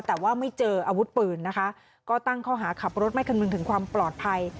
แต่ว่าไม่เจออาวุธปืนนะคะก็ตั้งข้อหาขับรถไม่คำนึงถึงความปลอดภัย